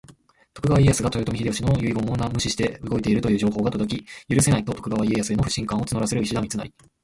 徳川家康が豊臣秀吉の遺言を無視して動いているという情報が届き、「許せない！」と徳川家康への不信感を募らせる石田三成。